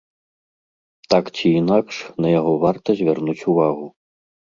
Так ці інакш, на яго варта звярнуць увагу.